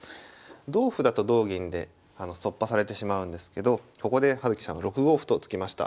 同歩だと同銀で突破されてしまうんですけどここで葉月さんは６五歩と突きました。